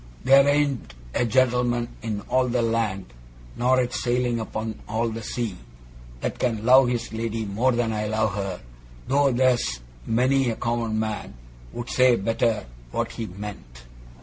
There ain't a gent'lman in all the land nor yet sailing upon all the sea that can love his lady more than I love her, though there's many a common man would say better what he meant.